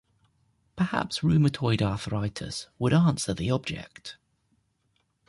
Perhaps rheumatoid arthritis would answer the object.